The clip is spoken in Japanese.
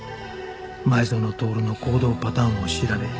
前園徹の行動パターンを調べ